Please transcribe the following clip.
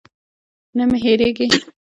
نه مې هېرېږي.